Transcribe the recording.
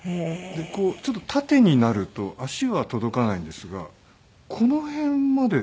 でこうちょっと縦になると足は届かないんですがこの辺まで。